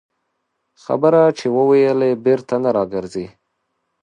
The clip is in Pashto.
خبره چې ووېلې، بېرته نه راګرځي